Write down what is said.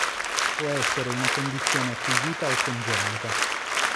Può essere una condizione acquisita o congenita.